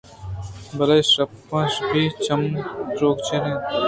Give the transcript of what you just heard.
بلے شپاں پِشّی ءَ چمّ ءُ دو چمّ کُت